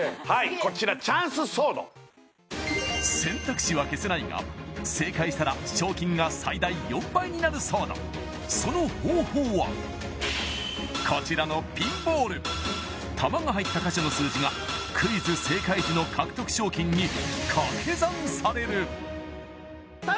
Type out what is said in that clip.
こちらチャンスソード選択肢は消せないがその方法はこちらのピンボール球が入った箇所の数字がクイズ正解時の獲得賞金に掛け算されるただ